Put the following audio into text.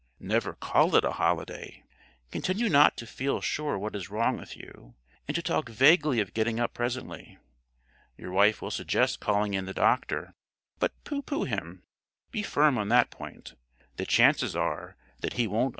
Never call it a holiday. Continue not to feel sure what is wrong with you, and to talk vaguely of getting up presently. Your wife will suggest calling in the doctor, but pooh pooh him. Be firm on that point.